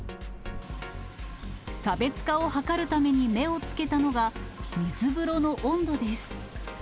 差別化を図るために目をつけたのが、水風呂の温度です。